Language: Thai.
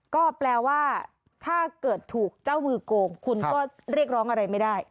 ก็แปลว่าถ้าเกิดถูกเจ้ามือโกงคุณก็เรียกร้องอะไรไม่ได้